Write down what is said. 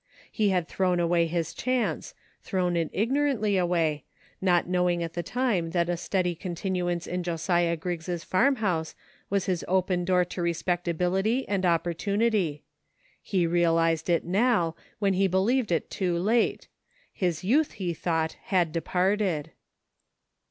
He had thrown away his chance, thrown it ignorantly away, not knowing at the time that a steady continuance in Josiah Griggs' farm house was his open door to respectability and oppor tunity ; he realized it now, when he believed it too late ; his youth, he thought, had departed.